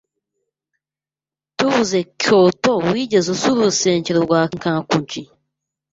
Tuvuze Kyoto, wigeze usura urusengero rwa Kinkakuji?